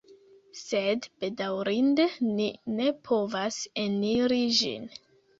Sed, bedaŭrinde ni ne povas eniri ĝin.